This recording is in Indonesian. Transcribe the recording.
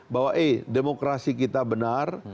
bahwa demokrasi kita benar